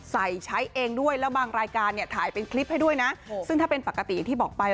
ใช้เองด้วยแล้วบางรายการเนี่ยถ่ายเป็นคลิปให้ด้วยนะซึ่งถ้าเป็นปกติอย่างที่บอกไป